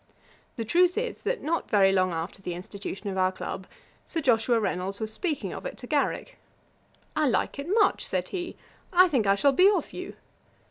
The truth is, that not very long after the institution of our club, Sir Joshua Reynolds was speaking of it to Garrick. 'I like it much, (said he,) I think I shall be of you.'